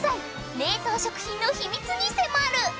冷凍食品の秘密に迫る